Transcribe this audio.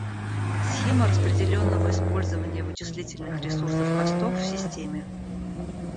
Схема распределенного использования вычислительных ресурсов хостов в системе